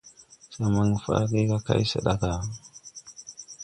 Se man faage ga kay se da ga.